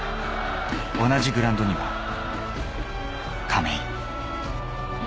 同じグラウンドには、亀井。